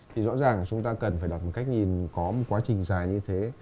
thì rõ ràng chúng ta cần phải đặt một cách nhìn có một quá trình dài như thế